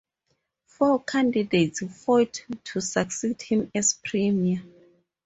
Four candidates fought to succeed him as premier.